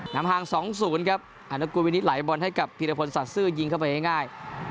น้ำห่างสองศูนย์ครับอาณกูวินิสไหลบอลให้กับพิรพลศาสตร์ซื่อยิงเข้าไปง่ายง่าย